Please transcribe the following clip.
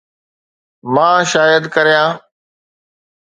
مان شايد ڪريان